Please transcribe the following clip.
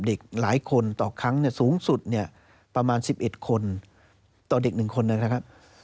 เด็กหลายคนต่อครั้งสูงสุดเนี่ยประมาณ๑๑คนต่อเด็ก๑คนนะครับ